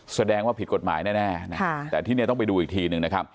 แสดงว่าผิดกฎหมายแน่แต่ที่นี่ต้องไปดูอีกทีหนึ่งนะครับ